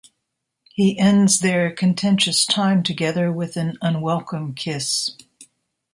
He ends their contentious time together with an unwelcome kiss.